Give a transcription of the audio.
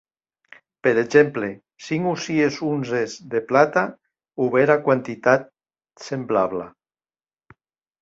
Per exemple, cinc o sies onzes de plata o bèra quantitat semblabla.